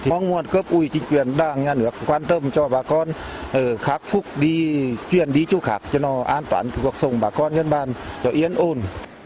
mong muốn cấp ủi trình truyền đảng nhà nước quan trọng cho bà con khắc phúc đi chuyển đi chỗ khác cho nó an toàn cuộc sống bà con dân bản cho yên ồn